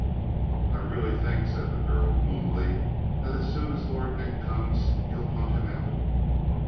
"I really think," said the girl gloomily, "that as soon as Lord Nick comes, you'll hunt him out!"